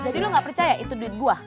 jadi lo gak percaya itu duit gua